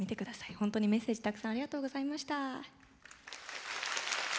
本当にメッセージたくさんありがとうございました。